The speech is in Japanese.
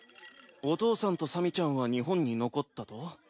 お父さんとさみちゃんは日本に残ったと？